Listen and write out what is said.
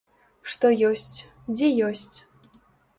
Што ёсць, дзе ёсць!